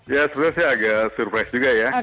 ya sebetulnya sih agak surprise juga ya